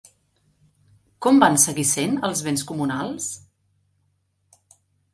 Com van seguir sent els béns comunals?